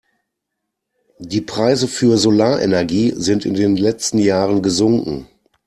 Die Preise für Solarenergie sind in den letzten Jahren gesunken.